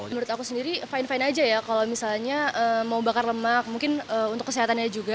menurut aku sendiri fine fine aja ya kalau misalnya mau bakar lemak mungkin untuk kesehatannya juga